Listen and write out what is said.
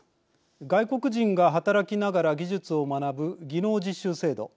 外国人が働きながら技術を学ぶ技能実習制度。